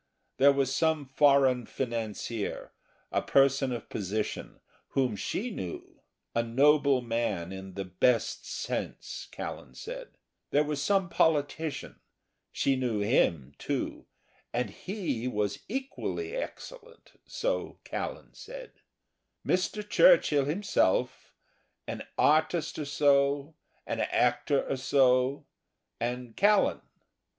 There was some foreign financier a person of position whom she knew (a noble man in the best sense, Callan said); there was some politician (she knew him too, and he was equally excellent, so Callan said), Mr. Churchill himself, an artist or so, an actor or so and Callan.